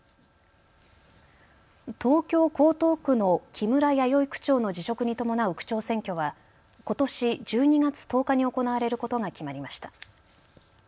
東京江東区の木村弥生区長の辞職に伴う区長選挙はことし１２月１０日に行われることが決まりました。